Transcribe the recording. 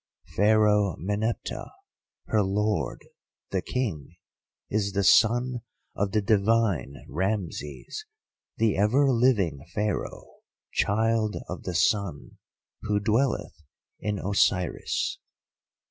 Pharaoh Meneptah, her lord, the King, is the son of the divine Rameses, the ever living Pharaoh, child of the Sun, who dwelleth in Osiris."